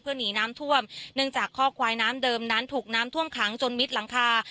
หนีน้ำท่วมเนื่องจากข้อควายน้ำเดิมนั้นถูกน้ำท่วมขังจนมิดหลังคา